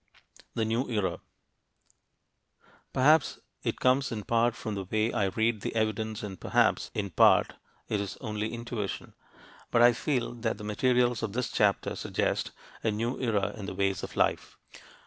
THE NEW ERA Perhaps it comes in part from the way I read the evidence and perhaps in part it is only intuition, but I feel that the materials of this chapter suggest a new era in the ways of life.